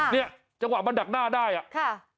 เนี่ยจังหวะมันดักหน้าได้อ่ะค่ะ